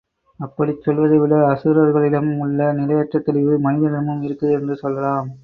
அப்படிச் சொல்வதைவிட அசுரர்களிடம் உள்ள நிலையற்ற தெளிவு மனிதனிடம் இருக்கிறது என்று சொல்லலாம்.